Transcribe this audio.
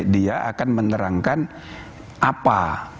dia akan menerangkan apa